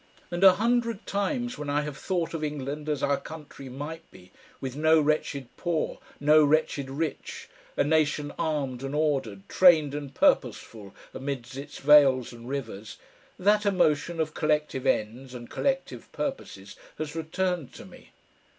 And a hundred times when I have thought of England as our country might be, with no wretched poor, no wretched rich, a nation armed and ordered, trained and purposeful amidst its vales and rivers, that emotion of collective ends and collective purposes has returned to me.